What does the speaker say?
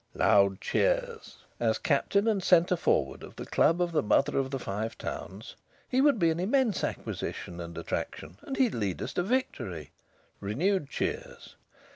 Loud cheers. "As captain and centre forward of the club of the Mother of the Five Towns, he would be an immense acquisition and attraction, and he would lead us to victory." Renewed cheers.